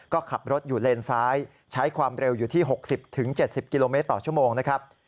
ก็ขับรถอยู่เลนซ้ายใช้ความเร็วอยู่ที่๖๐๗๐กิโลเมตรต่อชั่วโมงนะครับ